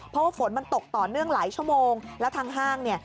เพราะว่าฝนมันตกต่อเนื่องหลายชั่วโมงแล้วทางห้างเนี่ย